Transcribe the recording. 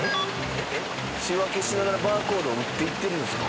仕分けしながらバーコードを打っていってるんですね。